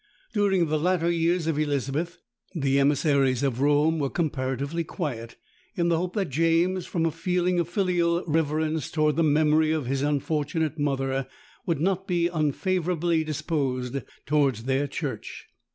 During the latter years of Elizabeth, the emissaries of Rome were comparatively quiet, in the hope that James, from a feeling of filial reverence towards the memory of his unfortunate mother, would not be unfavourably disposed towards their church.